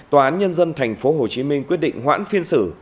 tnthhcm quyết định hoãn phiên xử